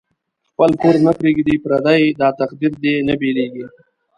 خپل پور نه پریږدی پردی، داتقدیر دی نه بیلیږی